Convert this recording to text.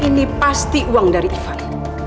ini pasti uang dari ivan